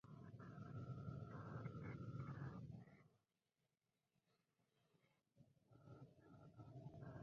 En Tuskegee son entrenados por el teniente afroamericano Glenn.